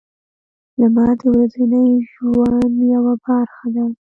• لمر د ورځني ژوند یوه برخه ده.